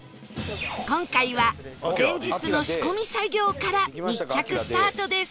今回は前日の仕込み作業から密着スタートです